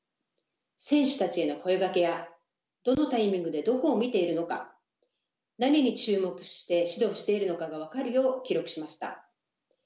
選手たちへの声掛けやどのタイミングでどこを見ているのか何に注目して指導しているのかが分かるよう記録しました。